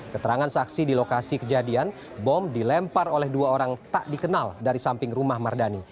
keterangan saksi di lokasi kejadian bom dilempar oleh dua orang tak dikenal dari samping rumah mardani